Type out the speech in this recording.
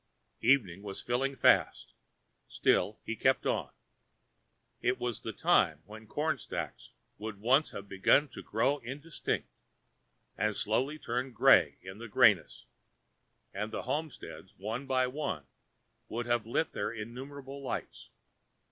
Evening was filling fast, still he kept on. It was the time when the cornstacks would once have begun to grow indistinct, and slowly turn grey in the greyness, and homesteads one by one would have lit their innumerable lights.